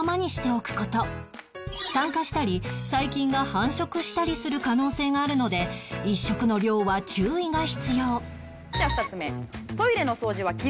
酸化したり細菌が繁殖したりする可能性があるので１食の量は注意が必要では２つ目。